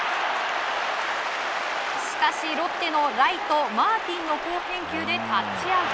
しかし、ロッテのライトマーティンの好返球でタッチアウト。